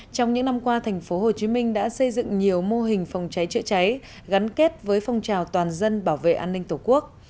trong những năm qua thành phố hồ chí minh đã xây dựng nhiều mô hình phòng cháy chữa cháy gắn kết với phong trào toàn dân bảo vệ an ninh tổ quốc